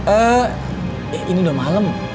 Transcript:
eh ini udah malem